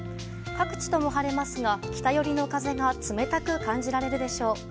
各地とも晴れますが北寄りの風が冷たく感じられるでしょう。